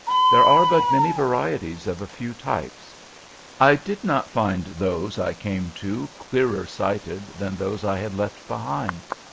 There are but many varieties of a few types. I did not find those I came to clearer sighted than those I had left behind.